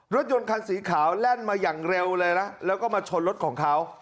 รถยนต์คันสีขาวแล่นมาอย่างเร็วเลยนะแล้วก็มาชนรถของเขา